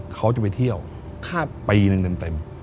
เขาจะไปเที่ยวปีหนึ่งเต็ม